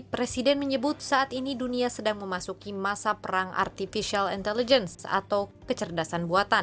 presiden menyebut saat ini dunia sedang memasuki masa perang artificial intelligence atau kecerdasan buatan